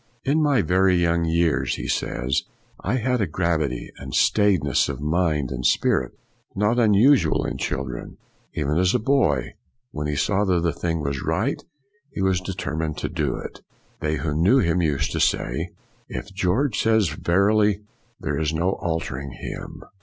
" In my very young years," he says, " I had a gravity and staidness of mind and spirit not usual in children.' 1 Even as a boy, when he saw that a thing was right he was determined to do it. They who knew him used to say, " If George says verily, there is no altering him.'